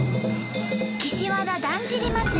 岸和田だんじり祭。